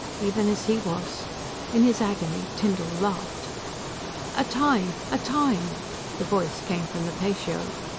even as he was. In his agony, Tyndall laughed. "A Time! A Time!" The voice came from the patio.